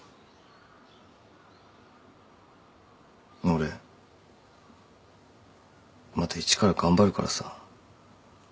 俺また一から頑張るからさ。